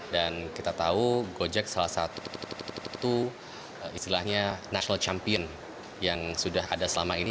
dan kita tahu gojek salah satu istilahnya national champion yang sudah ada selama ini